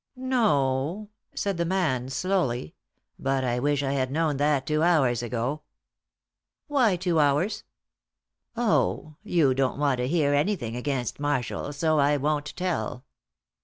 "No," said the man, slowly; "but I wish I had known that two hours ago." "Why two hours?" "Oh, you don't want to hear anything against Marshall, so I won't tell."